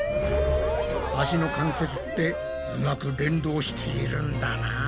足の関節ってうまく連動しているんだなぁ。